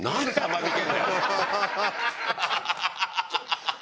ハハハハ！